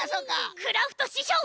クラフトししょう！